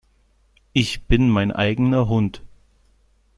Ich bin mein eigener Hund.